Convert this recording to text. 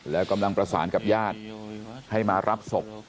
แล้วกำลังประสานกับญาติให้มารับศพ